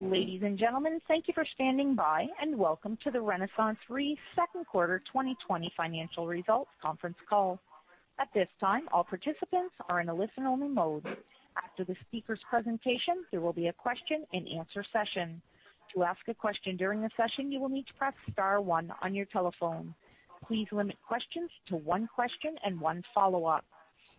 Ladies and gentlemen, thank you for standing by, and welcome to the RenaissanceRe second quarter 2020 financial results conference call. At this time, all participants are in a listen-only mode. After the speaker's presentation, there will be a question and answer session. To ask a question during the session, you will need to press star one on your telephone. Please limit questions to one question and one follow-up.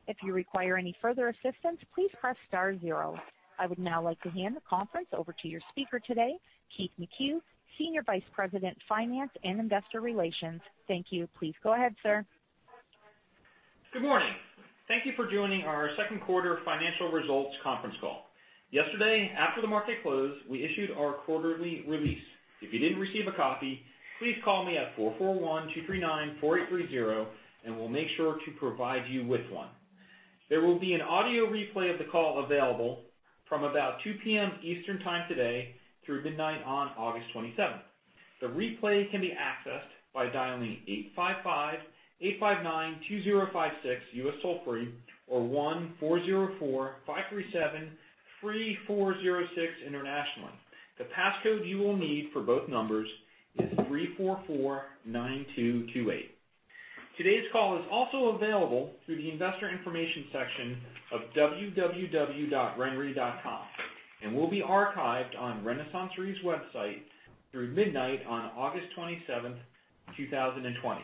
If you require any further assistance, please press star zero. I would now like to hand the conference over to your speaker today, Keith McCue, Senior Vice President, Finance and Investor Relations. Thank you. Please go ahead, sir. Good morning. Thank you for joining our second quarter financial results conference call. Yesterday, after the market closed, we issued our quarterly release. If you didn't receive a copy, please call me at 441-239-4830 and we'll make sure to provide you with one. There will be an audio replay of the call available from about 2:00 P.M. Eastern Time today, through midnight on August 27th. The replay can be accessed by dialing 855-859-2056 U.S. toll-free or 1-404-537-3406 internationally. The passcode you will need for both numbers is 3449228. Today's call is also available through the investor information section of www.renre.com and will be archived on RenaissanceRe's website through midnight on August 27th, 2020.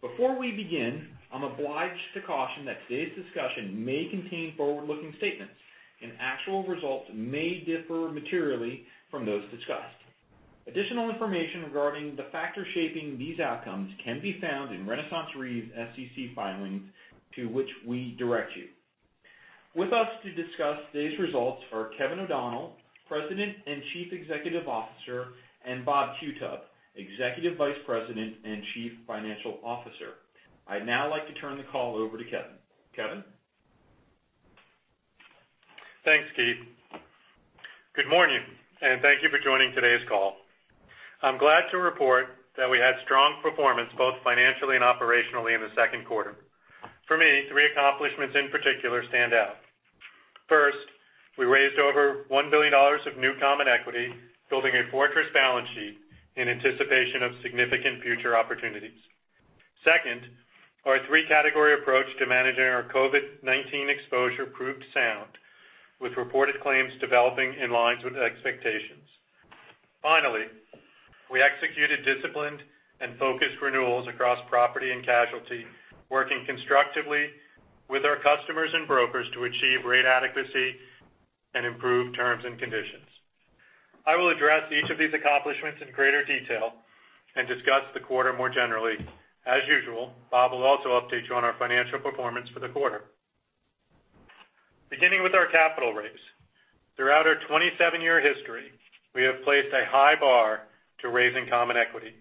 Before we begin, I'm obliged to caution that today's discussion may contain forward-looking statements and actual results may differ materially from those discussed. Additional information regarding the factors shaping these outcomes can be found in RenaissanceRe's SEC filings to which we direct you. With us to discuss today's results are Kevin O'Donnell, President and Chief Executive Officer, and Bob Qutub, Executive Vice President and Chief Financial Officer. I'd now like to turn the call over to Kevin. Kevin? Thanks, Keith. Good morning, and thank you for joining today's call. I'm glad to report that we had strong performance both financially and operationally in the second quarter. For me, three accomplishments in particular stand out. First, we raised over $1 billion of new common equity, building a fortress balance sheet in anticipation of significant future opportunities. Second, our three-category approach to managing our COVID-19 exposure proved sound, with reported claims developing in lines with expectations. Finally, we executed disciplined and focused renewals across property and casualty, working constructively with our customers and brokers to achieve rate adequacy and improve terms and conditions. I will address each of these accomplishments in greater detail and discuss the quarter more generally. As usual, Bob will also update you on our financial performance for the quarter. Beginning with our capital raise. Throughout our 27-year history, we have placed a high bar to raising common equity.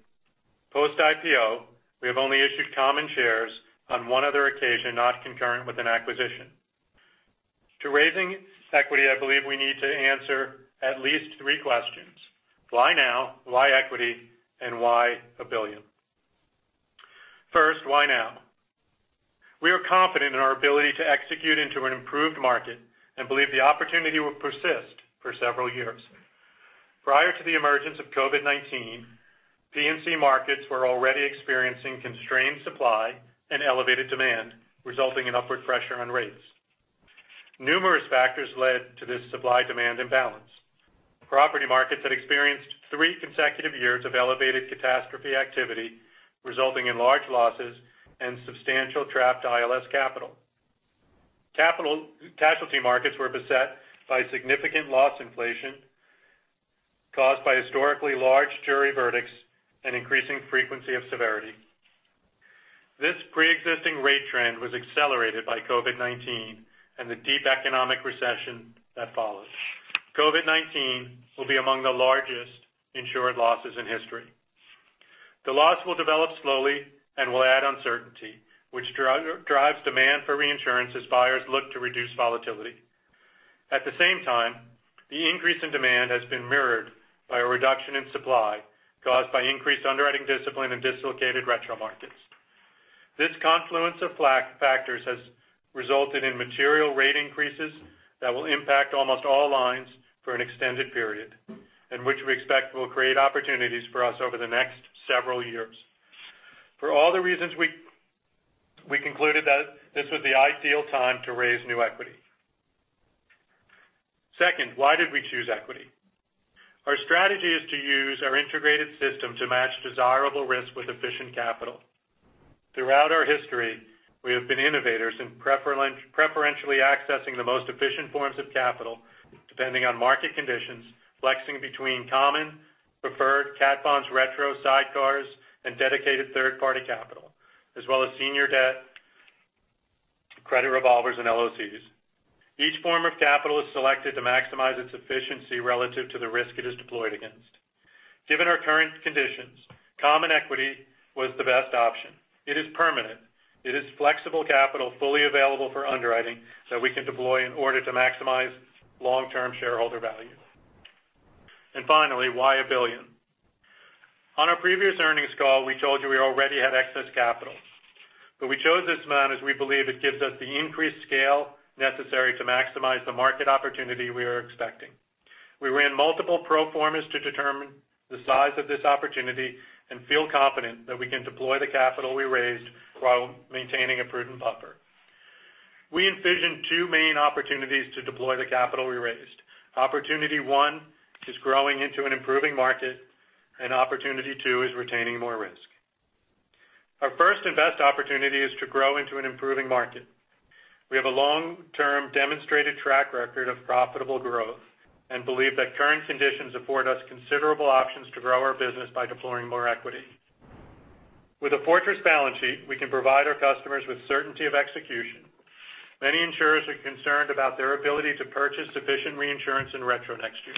Post IPO, we have only issued common shares on one other occasion, not concurrent with an acquisition. To raising equity, I believe we need to answer at least three questions. Why now, why equity, and why $1 billion? First, why now? We are confident in our ability to execute into an improved market and believe the opportunity will persist for several years. Prior to the emergence of COVID-19, P&C markets were already experiencing constrained supply and elevated demand, resulting in upward pressure on rates. Numerous factors led to this supply-demand imbalance. Property markets had experienced three consecutive years of elevated catastrophe activity, resulting in large losses and substantial trapped ILS capital. Casualty markets were beset by significant loss inflation caused by historically large jury verdicts and increasing frequency of severity. This preexisting rate trend was accelerated by COVID-19 and the deep economic recession that follows. COVID-19 will be among the largest insured losses in history. The loss will develop slowly and will add uncertainty, which drives demand for reinsurance as buyers look to reduce volatility. At the same time, the increase in demand has been mirrored by a reduction in supply caused by increased underwriting discipline in dislocated retro markets. This confluence of factors has resulted in material rate increases that will impact almost all lines for an extended period, and which we expect will create opportunities for us over the next several years. For all the reasons, we concluded that this was the ideal time to raise new equity. Second, why did we choose equity? Our strategy is to use our integrated system to match desirable risk with efficient capital. Throughout our history, we have been innovators in preferentially accessing the most efficient forms of capital depending on market conditions, flexing between common, preferred, cat bonds, retro sidecars, and dedicated third-party capital, as well as senior debt, credit revolvers, and LCs. Each form of capital is selected to maximize its efficiency relative to the risk it is deployed against. Given our current conditions, common equity was the best option. It is permanent. It is flexible capital fully available for underwriting that we can deploy in order to maximize long-term shareholder value. Finally, why $1 billion? On our previous earnings call, we told you we already had excess capital. We chose this amount as we believe it gives us the increased scale necessary to maximize the market opportunity we are expecting. We ran multiple pro formas to determine the size of this opportunity and feel confident that we can deploy the capital we raised while maintaining a prudent buffer. We envision two main opportunities to deploy the capital we raised. Opportunity one is growing into an improving market, and opportunity two is retaining more risk. Our first and best opportunity is to grow into an improving market. We have a long-term demonstrated track record of profitable growth and believe that current conditions afford us considerable options to grow our business by deploying more equity. With a fortress balance sheet, we can provide our customers with certainty of execution. Many insurers are concerned about their ability to purchase sufficient reinsurance in retro next year.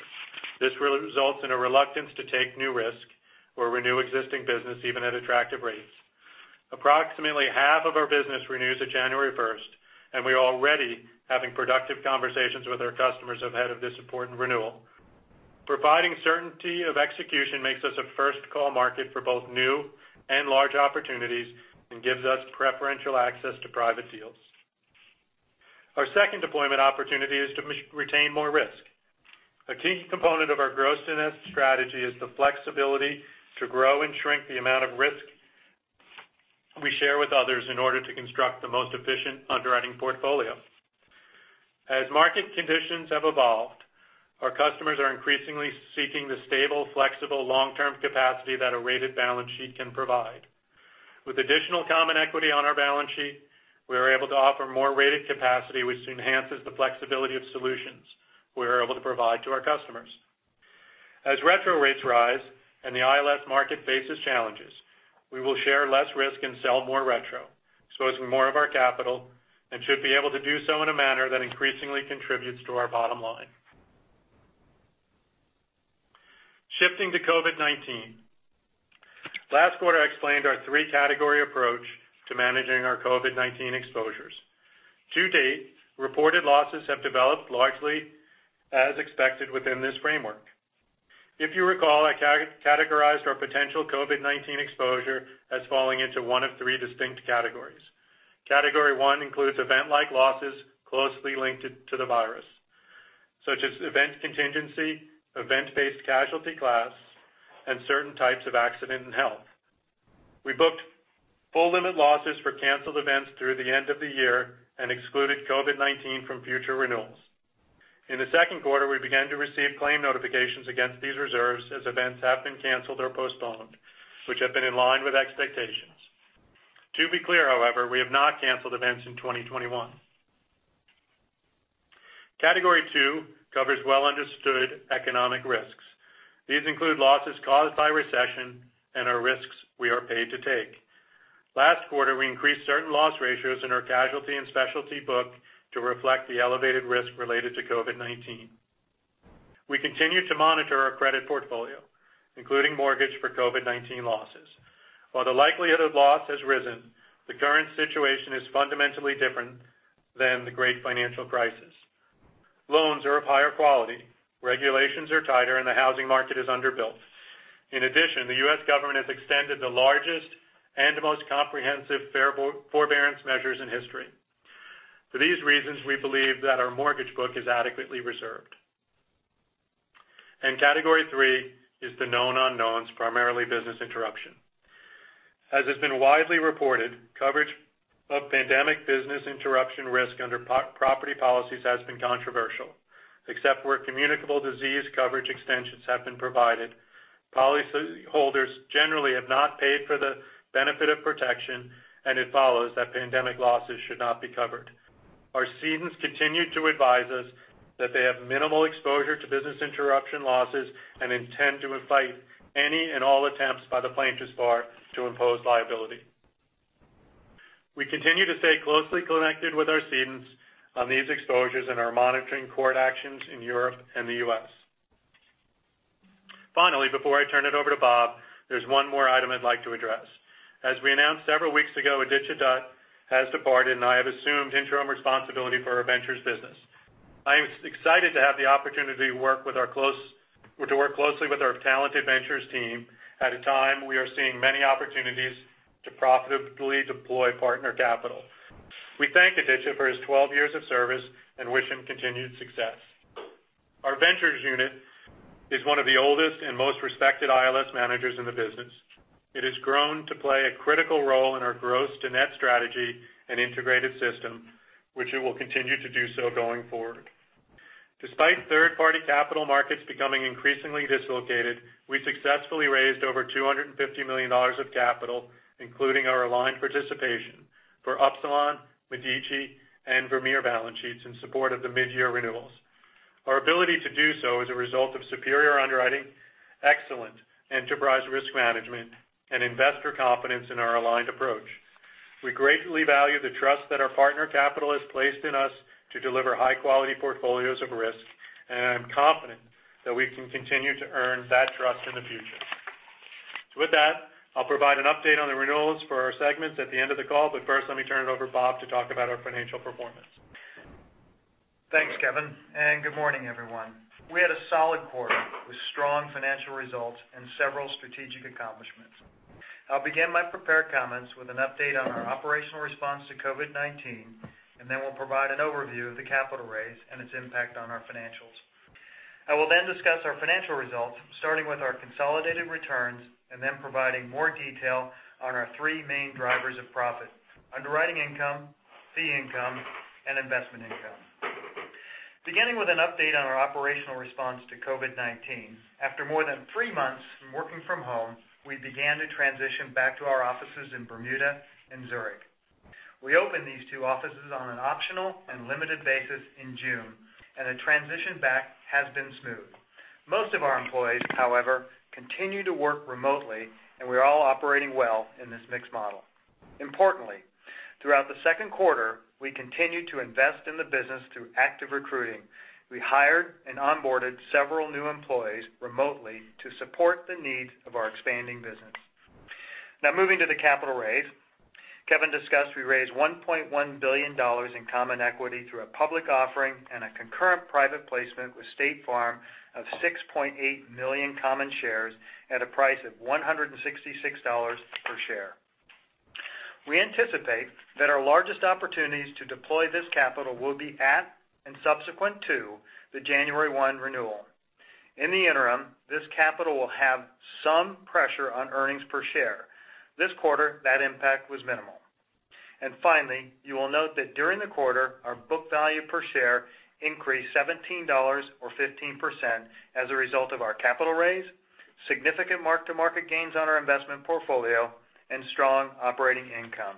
This results in a reluctance to take new risk or renew existing business, even at attractive rates. Approximately half of our business renews at January 1st, and we are already having productive conversations with our customers ahead of this important renewal. Providing certainty of execution makes us a first-call market for both new and large opportunities and gives us preferential access to private deals. Our second deployment opportunity is to retain more risk. A key component of our gross-to-net strategy is the flexibility to grow and shrink the amount of risk we share with others in order to construct the most efficient underwriting portfolio. As market conditions have evolved, our customers are increasingly seeking the stable, flexible, long-term capacity that a rated balance sheet can provide. With additional common equity on our balance sheet, we are able to offer more rated capacity, which enhances the flexibility of solutions we are able to provide to our customers. As retro rates rise and the ILS market faces challenges, we will share less risk and sell more retro, exposing more of our capital, and should be able to do so in a manner that increasingly contributes to our bottom line. Shifting to COVID-19. Last quarter, I explained our three-category approach to managing our COVID-19 exposures. To date, reported losses have developed largely as expected within this framework. If you recall, I categorized our potential COVID-19 exposure as falling into one of three distinct categories. Category 1 includes event-like losses closely linked to the virus, such as event contingency, event-based casualty class, and certain types of accident and health. We booked full limit losses for canceled events through the end of the year and excluded COVID-19 from future renewals. In the second quarter, we began to receive claim notifications against these reserves as events have been canceled or postponed, which have been in line with expectations. To be clear, however, we have not canceled events in 2021. Category 2 covers well-understood economic risks. These include losses caused by recession and are risks we are paid to take. Last quarter, we increased certain loss ratios in our casualty and specialty book to reflect the elevated risk related to COVID-19. We continue to monitor our credit portfolio, including mortgage for COVID-19 losses. While the likelihood of loss has risen, the current situation is fundamentally different than the great financial crisis. Loans are of higher quality, regulations are tighter, and the housing market is underbuilt. In addition, the U.S. government has extended the largest and most comprehensive forbearance measures in history. For these reasons, we believe that our mortgage book is adequately reserved. Category 3 is the known unknowns, primarily business interruption. As has been widely reported, coverage of pandemic business interruption risk under property policies has been controversial. Except where communicable disease coverage extensions have been provided, policyholders generally have not paid for the benefit of protection, and it follows that pandemic losses should not be covered. Our cedents continue to advise us that they have minimal exposure to business interruption losses and intend to fight any and all attempts by the plaintiffs bar to impose liability. We continue to stay closely connected with our cedents on these exposures and are monitoring court actions in Europe and the U.S. Finally, before I turn it over to Bob, there's one more item I'd like to address. As we announced several weeks ago, Aditya Dutt has departed, and I have assumed interim responsibility for our ventures business. I am excited to have the opportunity to work closely with our talented ventures team at a time we are seeing many opportunities to profitably deploy partner capital. We thank Aditya for his 12 years of service and wish him continued success. Our ventures unit is one of the oldest and most respected ILS managers in the business. It has grown to play a critical role in our gross to net strategy and integrated system, which it will continue to do so going forward. Despite third-party capital markets becoming increasingly dislocated, we successfully raised over $250 million of capital, including our aligned participation for Upsilon, Medici, and Vermeer balance sheets in support of the mid-year renewals. Our ability to do so is a result of superior underwriting, excellent enterprise risk management, and investor confidence in our aligned approach. We greatly value the trust that our partner capital has placed in us to deliver high-quality portfolios of risk, and I'm confident that we can continue to earn that trust in the future. With that, I'll provide an update on the renewals for our segments at the end of the call. First, let me turn it over to Bob to talk about our financial performance. Thanks, Kevin. Good morning, everyone. We had a solid quarter with strong financial results and several strategic accomplishments. I'll begin my prepared comments with an update on our operational response to COVID-19. Then we'll provide an overview of the capital raise and its impact on our financials. I will discuss our financial results, starting with our consolidated returns. Then providing more detail on our three main drivers of profit: underwriting income, fee income, and investment income. Beginning with an update on our operational response to COVID-19, after more than three months from working from home, we began to transition back to our offices in Bermuda and Zurich. We opened these two offices on an optional and limited basis in June. The transition back has been smooth. Most of our employees, however, continue to work remotely. We are all operating well in this mixed model. Importantly, throughout the second quarter, we continued to invest in the business through active recruiting. We hired and onboarded several new employees remotely to support the needs of our expanding business. Now, moving to the capital raise. Kevin discussed we raised $1.1 billion in common equity through a public offering and a concurrent private placement with State Farm of 6.8 million common shares at a price of $166 per share. We anticipate that our largest opportunities to deploy this capital will be at, and subsequent to, the January 1 renewal. In the interim, this capital will have some pressure on earnings per share. This quarter, that impact was minimal. Finally, you will note that during the quarter, our book value per share increased $17 or 15% as a result of our capital raise, significant mark-to-market gains on our investment portfolio, and strong operating income.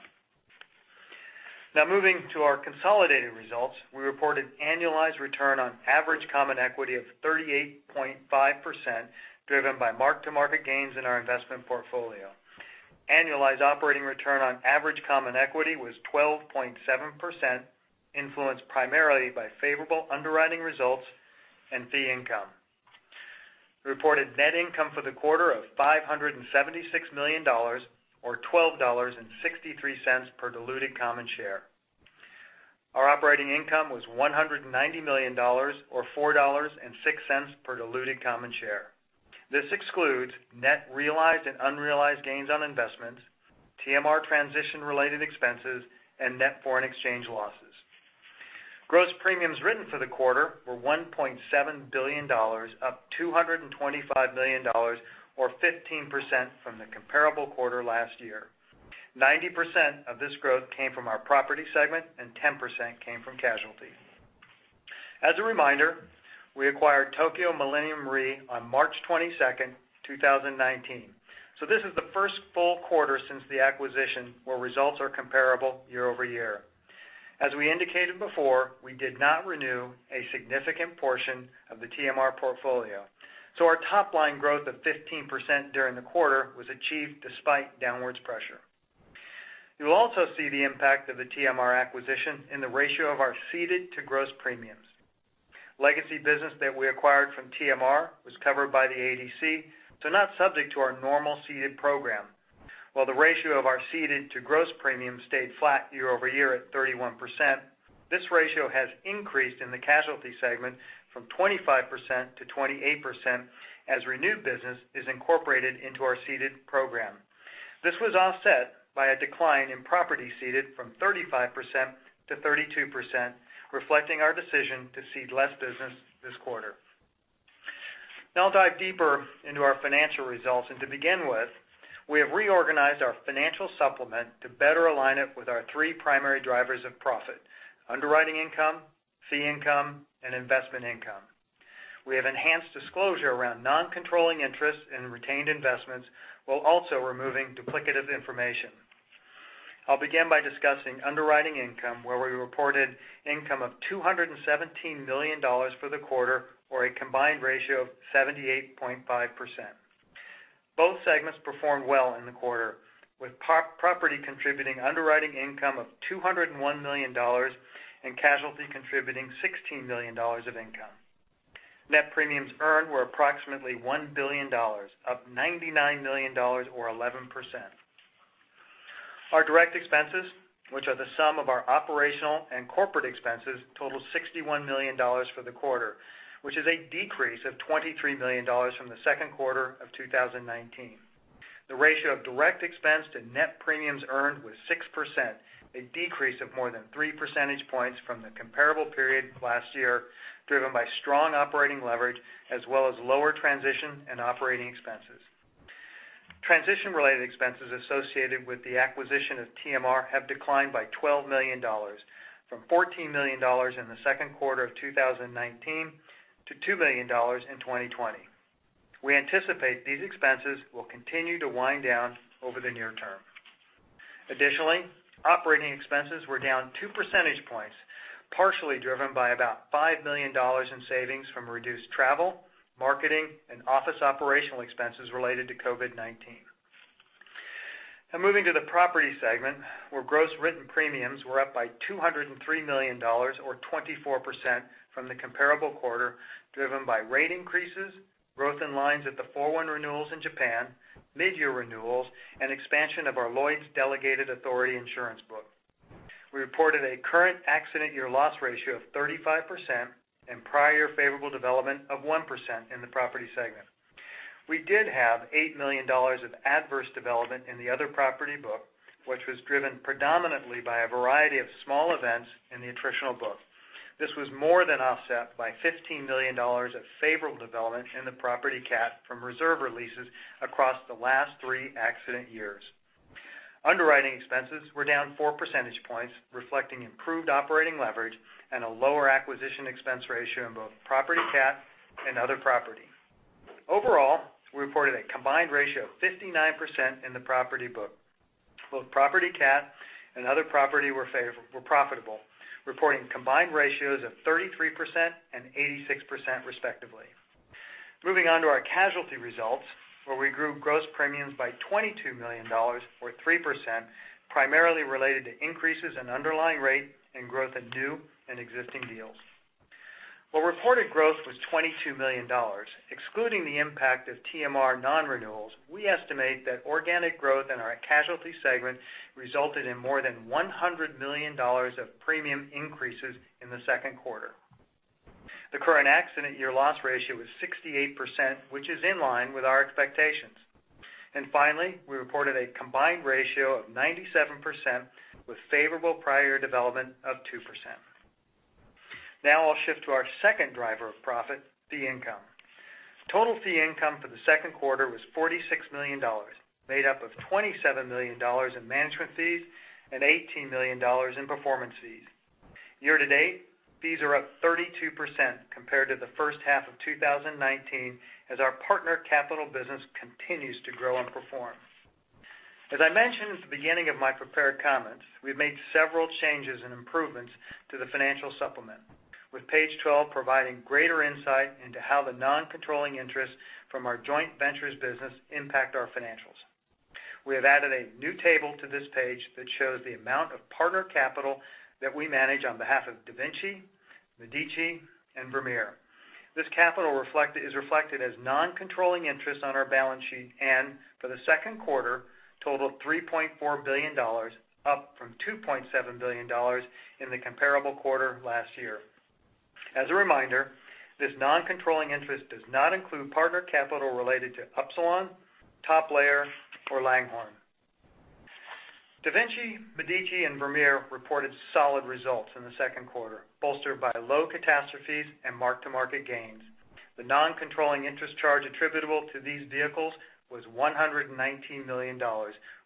Moving to our consolidated results, we reported annualized return on average common equity of 38.5%, driven by mark-to-market gains in our investment portfolio. Annualized operating return on average common equity was 12.7%, influenced primarily by favorable underwriting results and fee income. Reported net income for the quarter of $576 million, or $12.63 per diluted common share. Our operating income was $190 million, or $4.06 per diluted common share. This excludes net realized and unrealized gains on investments, TMR transition-related expenses, and net foreign exchange losses. Gross premiums written for the quarter were $1.7 billion, up $225 million, or 15% from the comparable quarter last year. 90% of this growth came from our property segment and 10% came from casualty. As a reminder, we acquired Tokio Millennium Re on March 22, 2019. This is the first full quarter since the acquisition where results are comparable year over year. As we indicated before, we did not renew a significant portion of the TMR portfolio. Our top-line growth of 15% during the quarter was achieved despite downwards pressure. You will also see the impact of the TMR acquisition in the ratio of our ceded to gross premiums. Legacy business that we acquired from TMR was covered by the ADC, so not subject to our normal ceded program. While the ratio of our ceded to gross premiums stayed flat year-over-year at 31%, this ratio has increased in the casualty segment from 25% to 28% as renewed business is incorporated into our ceded program. This was offset by a decline in property ceded from 35% to 32%, reflecting our decision to cede less business this quarter. I'll dive deeper into our financial results. To begin with, we have reorganized our financial supplement to better align it with our three primary drivers of profit: underwriting income, fee income, and investment income. We have enhanced disclosure around non-controlling interests and retained investments while also removing duplicative information. I'll begin by discussing underwriting income, where we reported income of $217 million for the quarter, or a combined ratio of 78.5%. Both segments performed well in the quarter, with property contributing underwriting income of $201 million and casualty contributing $16 million of income. Net premiums earned were approximately $1 billion, up $99 million or 11%. Our direct expenses, which are the sum of our operational and corporate expenses, total $61 million for the quarter, which is a decrease of $23 million from the second quarter of 2019. The ratio of direct expense to net premiums earned was 6%, a decrease of more than 3 percentage points from the comparable period last year, driven by strong operating leverage as well as lower transition and operating expenses. Transition-related expenses associated with the acquisition of TMR have declined by $12 million, from $14 million in the second quarter of 2019 to $2 million in 2020. We anticipate these expenses will continue to wind down over the near term. Additionally, operating expenses were down 2 percentage points, partially driven by about $5 million in savings from reduced travel, marketing, and office operational expenses related to COVID-19. Moving to the property segment, where gross written premiums were up by $203 million or 24% from the comparable quarter, driven by rate increases, growth in lines at the 4/1 renewals in Japan, midyear renewals, and expansion of our Lloyd's delegated authority insurance book. We reported a current accident year loss ratio of 35% and prior favorable development of 1% in the property segment. We did have $8 million of adverse development in the other property book, which was driven predominantly by a variety of small events in the attritional book. This was more than offset by $15 million of favorable development in the property cat from reserve releases across the last three accident years. Underwriting expenses were down 4 percentage points, reflecting improved operating leverage and a lower acquisition expense ratio in both property cat and other property. Overall, we reported a combined ratio of 59% in the property book. Both property cat and other property were profitable, reporting combined ratios of 33% and 86%, respectively. Moving on to our casualty results, where we grew gross premiums by $22 million, or 3%, primarily related to increases in underlying rate and growth in new and existing deals. While reported growth was $22 million, excluding the impact of TMR non-renewals, we estimate that organic growth in our casualty segment resulted in more than $100 million of premium increases in the second quarter. The current accident year loss ratio was 68%, which is in line with our expectations. Finally, we reported a combined ratio of 97% with favorable prior development of 2%. Now I'll shift to our second driver of profit, fee income. Total fee income for the second quarter was $46 million, made up of $27 million in management fees and $18 million in performance fees. Year to date, fees are up 32% compared to the first half of 2019 as our partner capital business continues to grow and perform. As I mentioned at the beginning of my prepared comments, we've made several changes and improvements to the financial supplement, with page 12 providing greater insight into how the non-controlling interest from our joint ventures business impact our financials. We have added a new table to this page that shows the amount of partner capital that we manage on behalf of DaVinci, Medici, and Vermeer. This capital is reflected as non-controlling interest on our balance sheet and, for the second quarter, totaled $3.4 billion, up from $2.7 billion in the comparable quarter last year. As a reminder, this non-controlling interest does not include partner capital related to Upsilon, Top Layer, or Langhorne. DaVinci, Medici, and Vermeer reported solid results in the second quarter, bolstered by low catastrophes and mark-to-market gains. The non-controlling interest charge attributable to these vehicles was $119 million,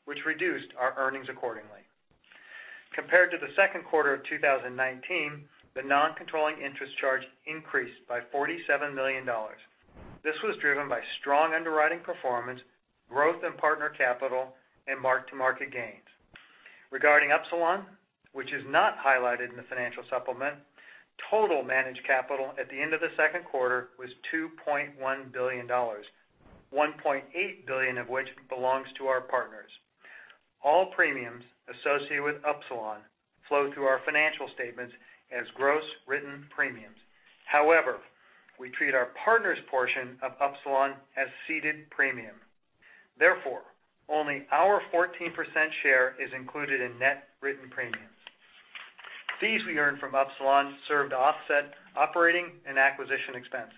which reduced our earnings accordingly. Compared to the second quarter of 2019, the non-controlling interest charge increased by $47 million. This was driven by strong underwriting performance, growth in partner capital, and mark-to-market gains. Regarding Upsilon, which is not highlighted in the financial supplement, total managed capital at the end of the second quarter was $2.1 billion, $1.8 billion of which belongs to our partners. All premiums associated with Upsilon flow through our financial statements as gross written premiums. However, we treat our partners' portion of Upsilon as ceded premium. Therefore, only our 14% share is included in net written premiums. Fees we earned from Upsilon served to offset operating and acquisition expenses.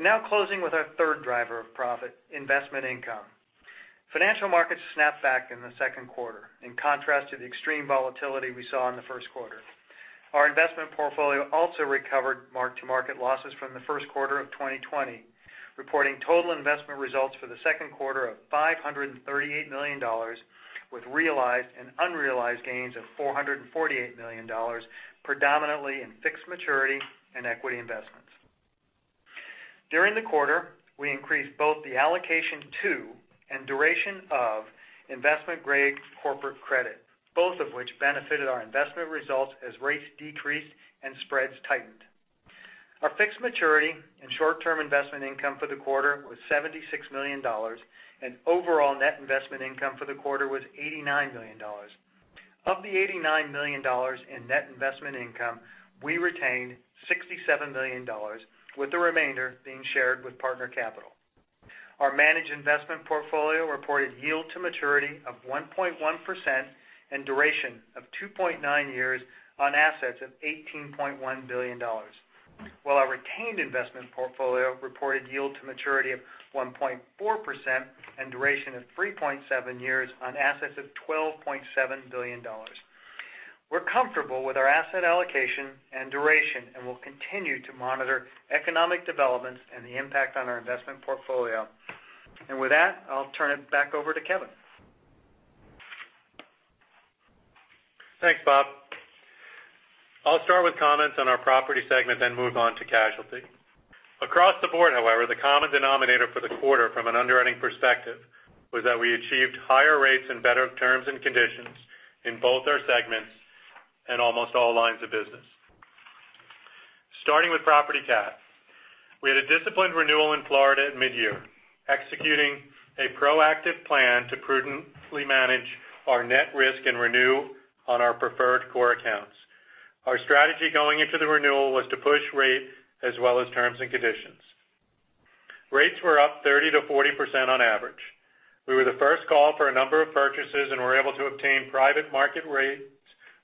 Now closing with our third driver of profit, investment income. Financial markets snapped back in the second quarter, in contrast to the extreme volatility we saw in the first quarter. Our investment portfolio also recovered mark-to-market losses from the first quarter of 2020, reporting total investment results for the second quarter of $538 million, with realized and unrealized gains of $448 million, predominantly in fixed maturity and equity investments. During the quarter, we increased both the allocation to and duration of investment-grade corporate credit, both of which benefited our investment results as rates decreased and spreads tightened. Our fixed maturity and short-term investment income for the quarter was $76 million, and overall net investment income for the quarter was $89 million. Of the $89 million in net investment income, we retained $67 million, with the remainder being shared with partner capital. Our managed investment portfolio reported yield to maturity of 1.1% and duration of 2.9 years on assets of $18.1 billion, while our retained investment portfolio reported yield to maturity of 1.4% and duration of 3.7 years on assets of $12.7 billion. We're comfortable with our asset allocation and duration and will continue to monitor economic developments and the impact on our investment portfolio. With that, I'll turn it back over to Kevin. Thanks, Bob. I'll start with comments on our property segment, then move on to casualty. Across the board, however, the common denominator for the quarter from an underwriting perspective was that we achieved higher rates and better terms and conditions in both our segments and almost all lines of business. Starting with property cat. We had a disciplined renewal in Florida at midyear, executing a proactive plan to prudently manage our net risk and renew on our preferred core accounts. Our strategy going into the renewal was to push rate as well as terms and conditions. Rates were up 30%-40% on average. We were the first call for a number of purchases and were able to obtain private market rates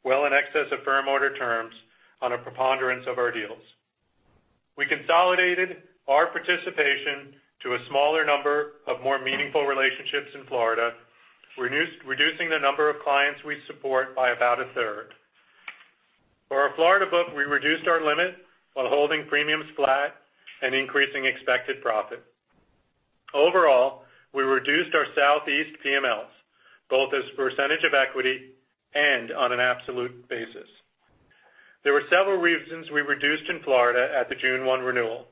well in excess of firm order terms on a preponderance of our deals. We consolidated our participation to a smaller number of more meaningful relationships in Florida, reducing the number of clients we support by about a third. For our Florida book, we reduced our limit while holding premiums flat and increasing expected profit. Overall, we reduced our Southeast PMLs, both as a % of equity and on an absolute basis. There were several reasons we reduced in Florida at the June 1 renewal.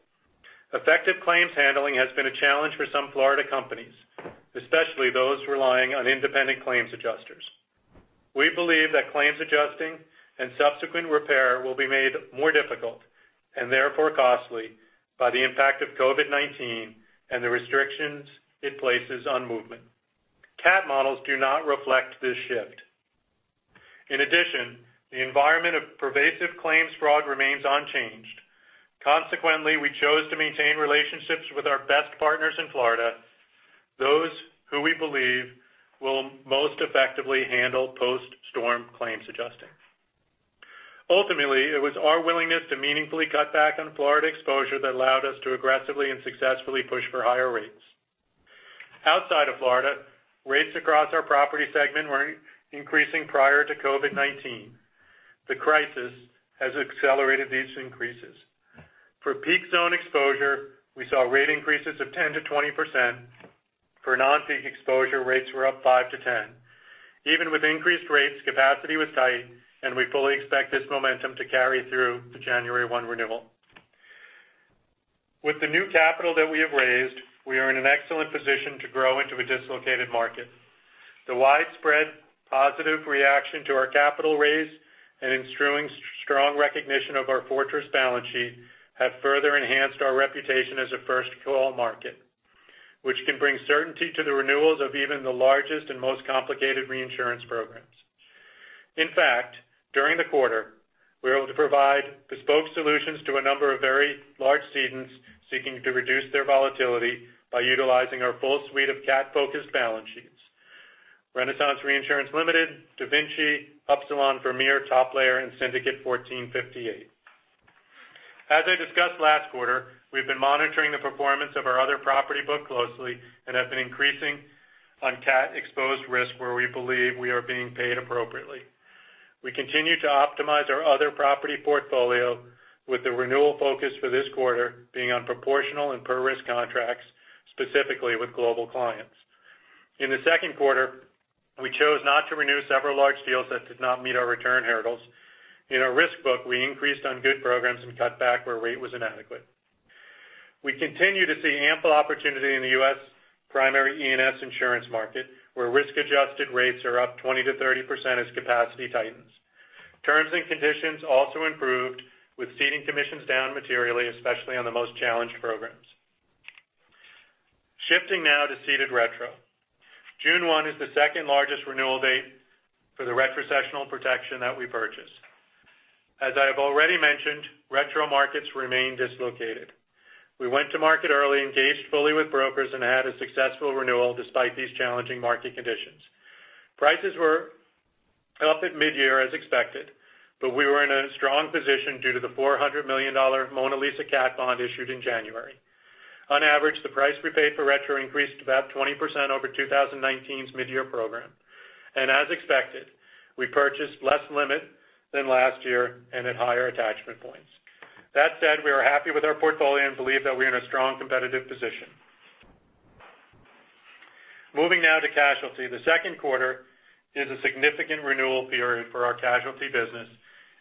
Effective claims handling has been a challenge for some Florida companies, especially those relying on independent claims adjusters. We believe that claims adjusting and subsequent repair will be made more difficult, and therefore costly, by the impact of COVID-19 and the restrictions it places on movement. Cat models do not reflect this shift. In addition, the environment of pervasive claims fraud remains unchanged. Consequently, we chose to maintain relationships with our best partners in Florida, those who we believe will most effectively handle post-storm claims adjusting. Ultimately, it was our willingness to meaningfully cut back on Florida exposure that allowed us to aggressively and successfully push for higher rates. Outside of Florida, rates across our property segment were increasing prior to COVID-19. The crisis has accelerated these increases. For peak zone exposure, we saw rate increases of 10%-20%. For non-peak exposure, rates were up 5%-10%. Even with increased rates, capacity was tight, and we fully expect this momentum to carry through the January 1 renewal. With the new capital that we have raised, we are in an excellent position to grow into a dislocated market. The widespread positive reaction to our capital raise and ensuing strong recognition of our fortress balance sheet have further enhanced our reputation as a first call market, which can bring certainty to the renewals of even the largest and most complicated reinsurance programs. In fact, during the quarter, we were able to provide bespoke solutions to a number of very large cedents seeking to reduce their volatility by utilizing our full suite of cat-focused balance sheets. Renaissance Reinsurance Limited, DaVinci, Upsilon, Vermeer, Top Layer, and Syndicate 1458. As I discussed last quarter, we've been monitoring the performance of our other property book closely and have been increasing on cat-exposed risk where we believe we are being paid appropriately. We continue to optimize our other property portfolio with the renewal focus for this quarter being on proportional and per-risk contracts, specifically with global clients. In the second quarter, we chose not to renew several large deals that did not meet our return hurdles. In our risk book, we increased on good programs and cut back where rate was inadequate. We continue to see ample opportunity in the U.S. primary E&S insurance market, where risk-adjusted rates are up 20%-30% as capacity tightens. Terms and conditions also improved, with ceding commissions down materially, especially on the most challenged programs. Shifting now to ceded retro. June 1 is the second-largest renewal date for the retrocessional protection that we purchase. As I have already mentioned, retro markets remain dislocated. We went to market early, engaged fully with brokers, and had a successful renewal despite these challenging market conditions. Prices were up at mid-year as expected, we were in a strong position due to the $400 million Mona Lisa cat bond issued in January. On average, the price we paid for retro increased about 20% over 2019's mid-year program. As expected, we purchased less limit than last year and at higher attachment points. That said, we are happy with our portfolio and believe that we are in a strong competitive position. Moving now to casualty. The second quarter is a significant renewal period for our casualty business,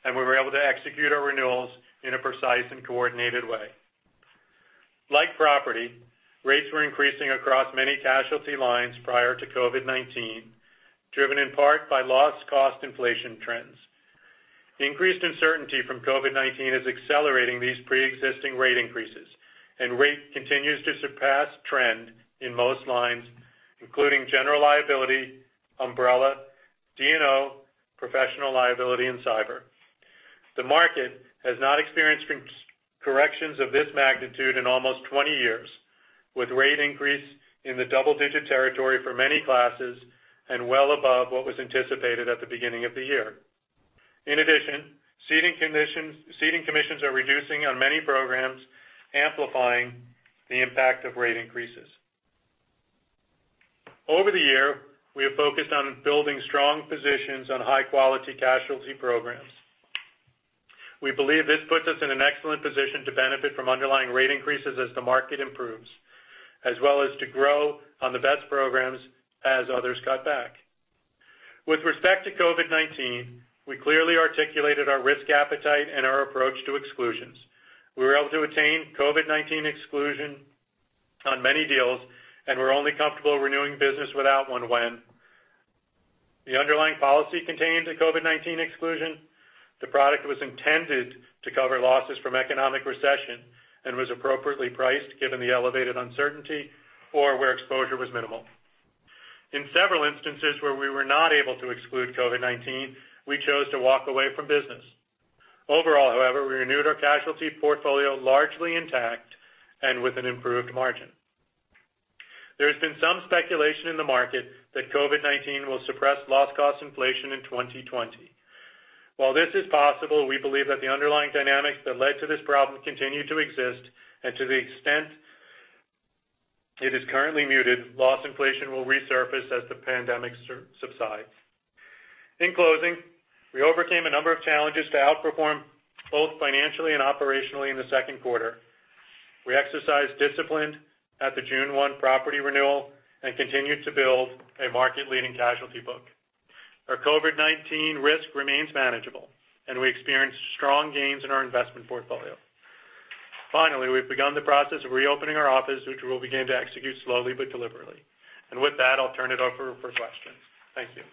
and we were able to execute our renewals in a precise and coordinated way. Like property, rates were increasing across many casualty lines prior to COVID-19, driven in part by loss cost inflation trends. The increased uncertainty from COVID-19 is accelerating these preexisting rate increases, and rate continues to surpass trend in most lines, including general liability, umbrella, D&O, professional liability, and cyber. The market has not experienced corrections of this magnitude in almost 20 years, with rate increase in the double-digit territory for many classes and well above what was anticipated at the beginning of the year. In addition, ceding commissions are reducing on many programs, amplifying the impact of rate increases. Over the year, we have focused on building strong positions on high-quality casualty programs. We believe this puts us in an excellent position to benefit from underlying rate increases as the market improves, as well as to grow on the best programs as others cut back. With respect to COVID-19, we clearly articulated our risk appetite and our approach to exclusions. We were able to attain COVID-19 exclusion on many deals, and we're only comfortable renewing business without one when the underlying policy contains a COVID-19 exclusion, the product was intended to cover losses from economic recession and was appropriately priced given the elevated uncertainty, or where exposure was minimal. In several instances where we were not able to exclude COVID-19, we chose to walk away from business. Overall, however, we renewed our casualty portfolio largely intact and with an improved margin. There has been some speculation in the market that COVID-19 will suppress loss cost inflation in 2020. While this is possible, we believe that the underlying dynamics that led to this problem continue to exist, and to the extent it is currently muted, loss inflation will resurface as the pandemic subsides. In closing, we overcame a number of challenges to outperform both financially and operationally in the second quarter. We exercised discipline at the June 1 property renewal and continued to build a market-leading casualty book. Our COVID-19 risk remains manageable, and we experienced strong gains in our investment portfolio. Finally, we've begun the process of reopening our office, which we will begin to execute slowly but deliberately. With that, I'll turn it over for questions. Thank you.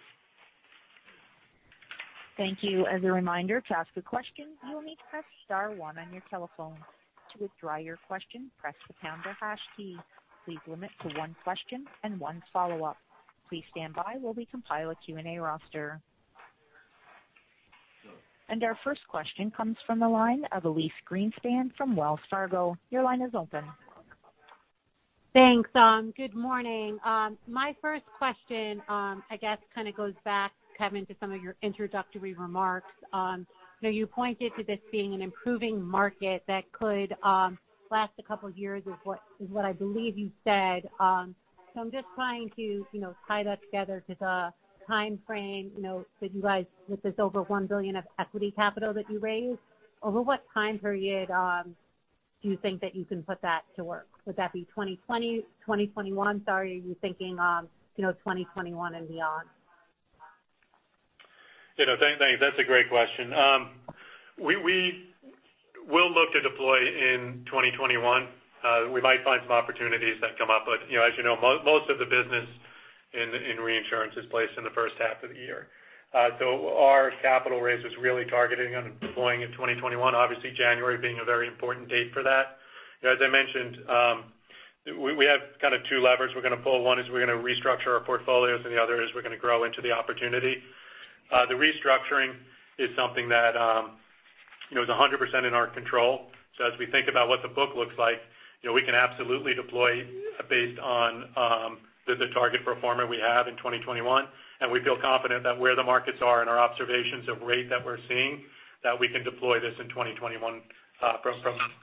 Thank you. As a reminder, to ask a question, you will need to press star one on your telephone. To withdraw your question, press the pound or hash key. Please limit to one question and one follow-up. Please stand by while we compile a Q&A roster. Our first question comes from the line of Elyse Greenspan from Wells Fargo. Your line is open. Thanks. Good morning. My first question, I guess kind of goes back, Kevin, to some of your introductory remarks. You pointed to this being an improving market that could last a couple of years, is what I believe you said. I'm just trying to tie that together to the timeframe that you guys, with this over $1 billion of equity capital that you raised, over what time period do you think that you can put that to work? Would that be 2020, 2021, sorry, are you thinking 2021 and beyond? Thanks. That's a great question. We'll look to deploy in 2021. We might find some opportunities that come up. As you know, most of the business in reinsurance is placed in the first half of the year. Our capital raise is really targeting on deploying in 2021, obviously January being a very important date for that. As I mentioned, we have kind of two levers we're going to pull. One is we're going to restructure our portfolios. The other is we're going to grow into the opportunity. The restructuring is something that is 100% in our control. As we think about what the book looks like, we can absolutely deploy based on the target pro forma we have in 2021, and we feel confident that where the markets are and our observations of rate that we're seeing, that we can deploy this in 2021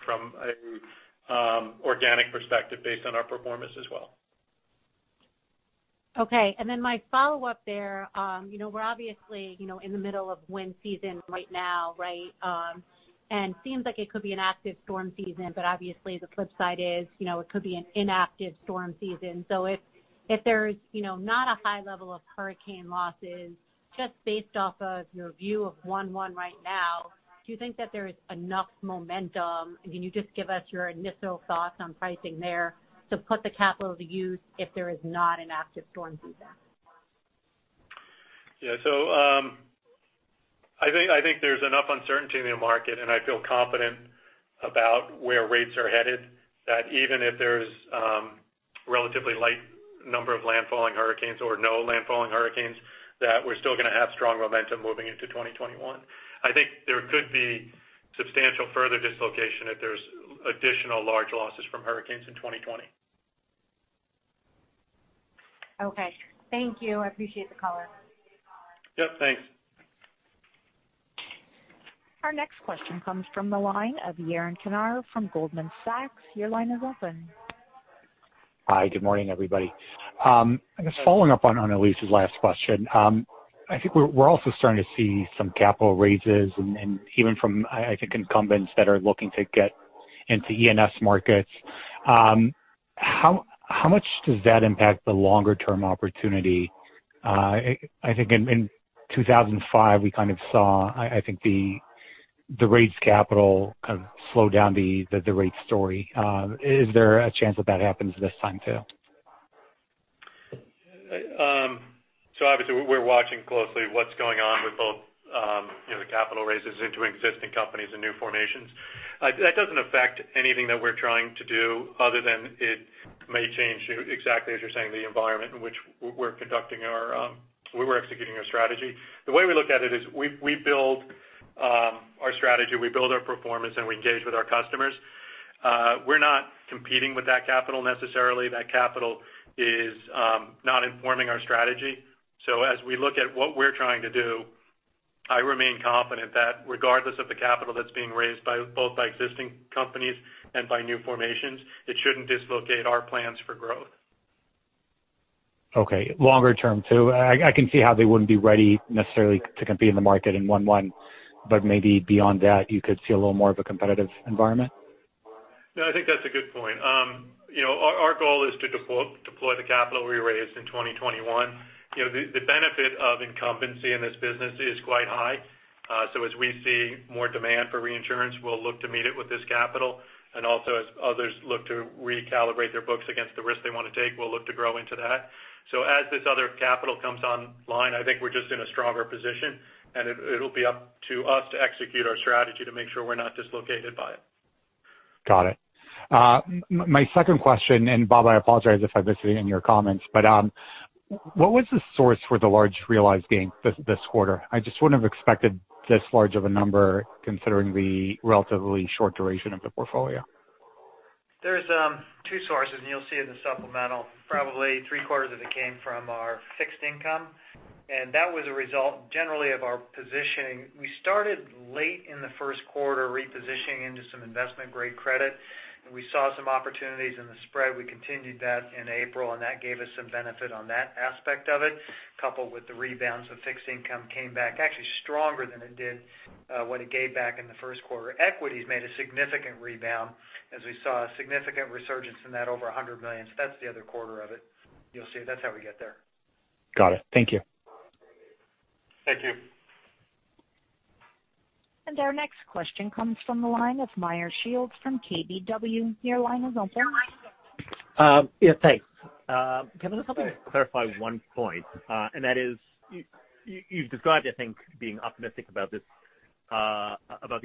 from an organic perspective based on our performance as well. Okay. My follow-up there, we're obviously in the middle of wind season right now, right? Seems like it could be an active storm season, but obviously, the flip side is, it could be an inactive storm season. If there's not a high level of hurricane losses, just based off of your view of 1/1 right now, do you think that there is enough momentum? Can you just give us your initial thoughts on pricing there to put the capital to use if there is not an active storm season? I think there's enough uncertainty in the market, and I feel confident about where rates are headed, that even if there's relatively light number of landfalling hurricanes or no landfalling hurricanes, that we're still going to have strong momentum moving into 2021. I think there could be substantial further dislocation if there's additional large losses from hurricanes in 2020. Okay. Thank you. I appreciate the color. Yep, thanks. Our next question comes from the line of Yaron Kinar from Goldman Sachs. Your line is open. Hi, good morning, everybody. I guess following up on Elyse's last question. I think we're also starting to see some capital raises, and even from, I think, incumbents that are looking to get into E&S markets. How much does that impact the longer-term opportunity? I think in 2005, we kind of saw, I think the rates capital kind of slow down the rate story. Is there a chance that that happens this time, too? Obviously we're watching closely what's going on with both the capital raises into existing companies and new formations. That doesn't affect anything that we're trying to do other than it may change, exactly as you're saying, the environment in which we're executing our strategy. The way we look at it is we build our strategy, we build our performance, and we engage with our customers. We're not competing with that capital necessarily. That capital is not informing our strategy. As we look at what we're trying to do, I remain confident that regardless of the capital that's being raised both by existing companies and by new formations, it shouldn't dislocate our plans for growth. Okay. Longer term too, I can see how they wouldn't be ready necessarily to compete in the market in 1/1, but maybe beyond that, you could see a little more of a competitive environment? No, I think that's a good point. Our goal is to deploy the capital we raised in 2021. The benefit of incumbency in this business is quite high. As we see more demand for reinsurance, we'll look to meet it with this capital. Also, as others look to recalibrate their books against the risk they want to take, we'll look to grow into that. As this other capital comes online, I think we're just in a stronger position, and it'll be up to us to execute our strategy to make sure we're not dislocated by it. Got it. My second question, Bob, I apologize if I missed it in your comments, what was the source for the large realized gain this quarter? I just wouldn't have expected this large of a number considering the relatively short duration of the portfolio. There's two sources, and you'll see in the supplemental probably 3/4 of it came from our fixed income, and that was a result generally of our positioning. We started late in the first quarter repositioning into some investment-grade credit. We saw some opportunities in the spread. We continued that in April. That gave us some benefit on that aspect of it, coupled with the rebounds of fixed income came back actually stronger than it did when it gave back in the first quarter. Equities made a significant rebound as we saw a significant resurgence in that over $100 million. That's the other quarter of it. You'll see that's how we get there. Got it. Thank you. Thank you. Our next question comes from the line of Meyer Shields from KBW. Your line is open. Yeah. Thanks. Kevin, I just want to clarify one point, and that is you've described, I think, being optimistic about the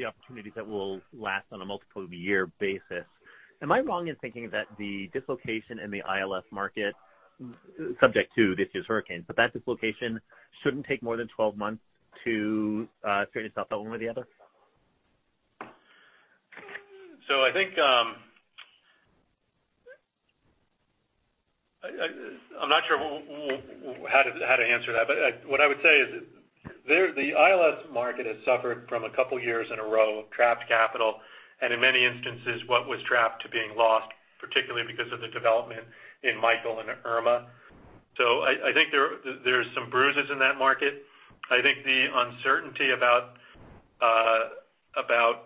opportunities that will last on a multiple-year basis. Am I wrong in thinking that the dislocation in the ILS market, subject to this year's hurricane, but that dislocation shouldn't take more than 12 months to sort itself out one way or the other? I think I'm not sure how to answer that, but what I would say is the ILS market has suffered from a couple of years in a row of trapped capital, and in many instances, what was trapped to being lost, particularly because of the development in Michael and Irma. I think there's some bruises in that market. I think the uncertainty about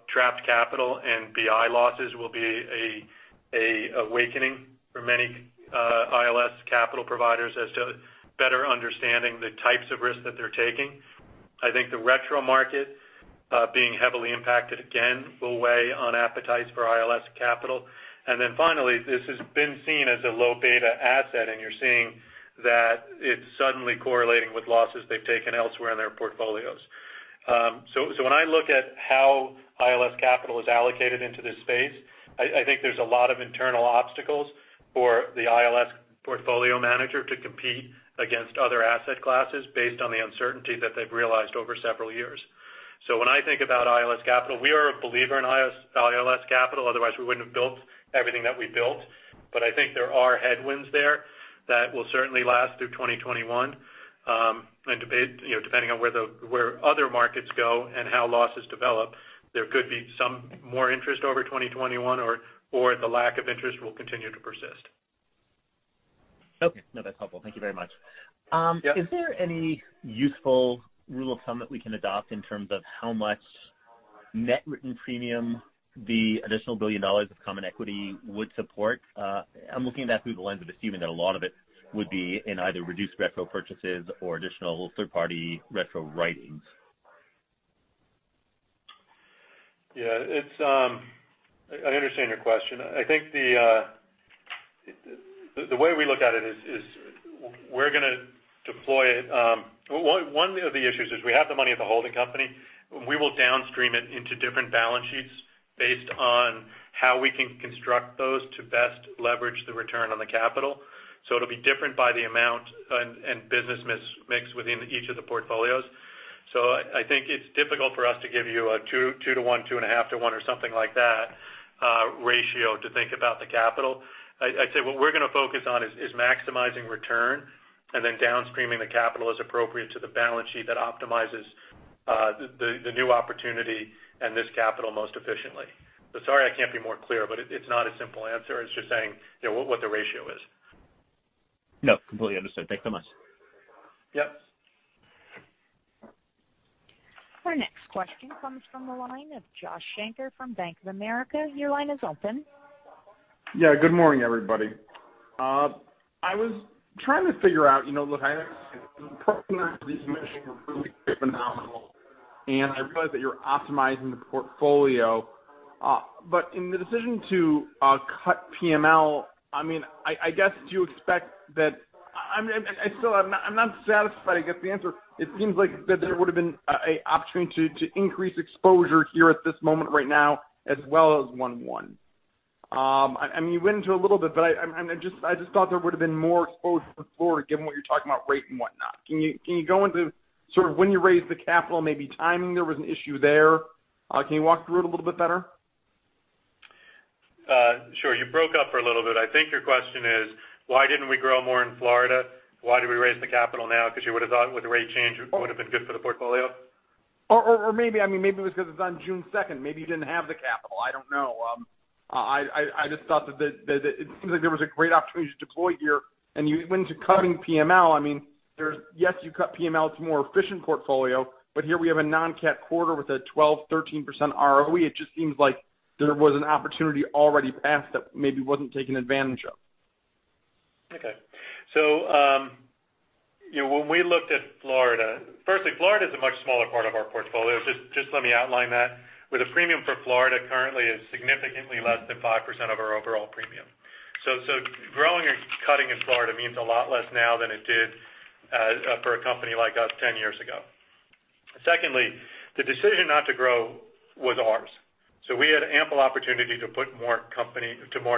trapped capital and BI losses will be an awakening for many ILS capital providers as to better understanding the types of risks that they're taking. I think the retro market, being heavily impacted again, will weigh on appetites for ILS capital. Then finally, this has been seen as a low beta asset, and you're seeing that it's suddenly correlating with losses they've taken elsewhere in their portfolios. When I look at how ILS capital is allocated into this space, I think there's a lot of internal obstacles for the ILS portfolio manager to compete against other asset classes based on the uncertainty that they've realized over several years. When I think about ILS capital, we are a believer in ILS capital, otherwise we wouldn't have built everything that we built. I think there are headwinds there that will certainly last through 2021. Depending on where other markets go and how losses develop, there could be some more interest over 2021 or the lack of interest will continue to persist. Okay. No, that's helpful. Thank you very much. Yeah. Is there any useful rule of thumb that we can adopt in terms of how much net written premium the additional $1 billion of common equity would support? I'm looking at that through the lens of assuming that a lot of it would be in either reduced retro purchases or additional third-party retro writings. Yeah. I understand your question. I think the way we look at it is we're going to deploy it. One of the issues is we have the money at the holding company, we will downstream it into different balance sheets based on how we can construct those to best leverage the return on the capital. It'll be different by the amount and business mix within each of the portfolios. I think it's difficult for us to give you a 2:1, 2.5:1 or something like that ratio to think about the capital. I'd say what we're going to focus on is maximizing return and then downstreaming the capital as appropriate to the balance sheet that optimizes the new opportunity and this capital most efficiently. Sorry I can't be more clear, but it's not a simple answer as just saying what the ratio is. No, completely understood. Thanks so much. Yep. Our next question comes from the line of Josh Shanker from Bank of America. Your line is open. Good morning, everybody. I was trying to figure out, look, I understand the partner acquisitions were really phenomenal, and I realize that you're optimizing the portfolio. In the decision to cut PML, I still am not satisfied. I guess the answer, it seems like there would've been an opportunity to increase exposure here at this moment right now as well as 1/1. You went into a little bit, but I just thought there would've been more exposure to Florida given what you're talking about rate and whatnot. Can you go into sort of when you raised the capital, maybe timing there was an issue there? Can you walk through it a little bit better? Sure. You broke up for a little bit. I think your question is why didn't we grow more in Florida? Why did we raise the capital now? You would've thought with the rate change, it would've been good for the portfolio? Maybe it was because it's on June 2nd, maybe you didn't have the capital. I don't know. I just thought that it seems like there was a great opportunity to deploy here, and you went into cutting PML. Yes, you cut PML to a more efficient portfolio, but here we have a non-cat quarter with a 12%, 13% ROE. It just seems like there was an opportunity already passed that maybe wasn't taken advantage of. Okay. When we looked at Florida, firstly, Florida's a much smaller part of our portfolio. Just let me outline that. With a premium for Florida currently is significantly less than 5% of our overall premium. Growing or cutting in Florida means a lot less now than it did for a company like us 10 years ago. Secondly, the decision not to grow was ours. We had ample opportunity to put more